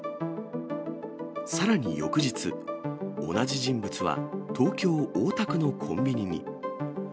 さらに翌日、同じ人物は東京・大田区のコンビニに。